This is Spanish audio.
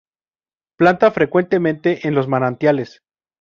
Planta frecuente en los manantiales.